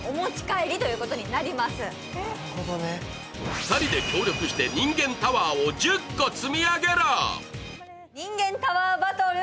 ２人で協力してにんげんタワーを１０個積み上げろ。